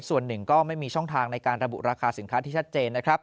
ส่วนหนึ่งก็ไม่มีช่องทางในการระบุราคาสินค้าที่ชัดเจนนะครับ